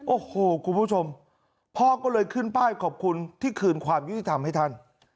โอ้โหคุณผู้ชมพ่อก็เลยขึ้นป้ายขอบคุณที่คืนความยุติธรรมให้ท่าน